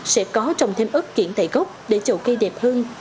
sẽ có trồng thêm ớt kiện tại gốc để chậu cây đẹp hơn